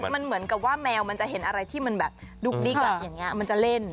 มันเหมือนกับว่าแมวมันจะเห็นอะไรที่มันแบบดุ๊กดิ๊กอย่างนี้มันจะเล่น